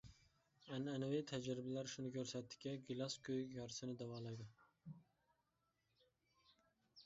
ئەنئەنىۋى تەجرىبىلەر شۇنى كۆرسەتتىكى، گىلاس كۆيۈك يارىسىنى داۋالايدۇ.